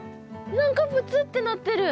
何かぷつってなってる。